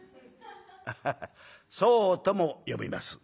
「アハハッそうとも読みます。